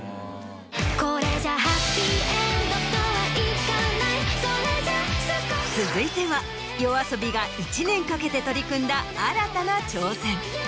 これじゃハッピーエンドとはいかない続いてはＹＯＡＳＯＢＩが１年かけて取り組んだ新たな挑戦。